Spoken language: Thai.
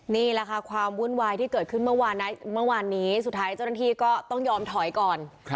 นี่แหละค่ะความวุ่นวายที่เกิดขึ้นเมื่อวานนี้สุดท้ายเจ้าหน้าที่ก็ต้องยอมถอยก่อน